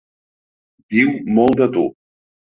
Diu molt de tu.